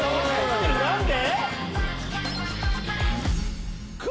何で⁉